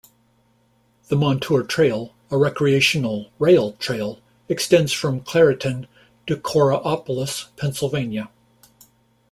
The Montour Trail, a recreational rail-trail, extends from Clairton to Coraopolis, Pennsylvania.